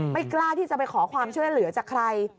ไม่กล้าที่จะไปขอความช่วยเหลือจากใคร